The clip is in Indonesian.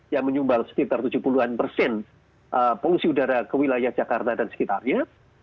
yang menyumbal sekitar tujuh puluh an persen polusi udara ke wilayah jakarta dan sekitarnya